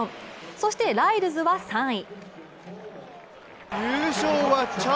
そしてライルズは３位。